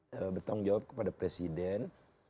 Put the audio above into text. bertanggung jawab kepada presiden